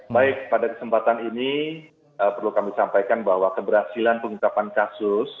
baik pada kesempatan ini perlu kami sampaikan bahwa keberhasilan pengungkapan kasus